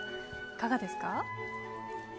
いかがですか？